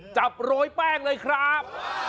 โรยแป้งเลยครับ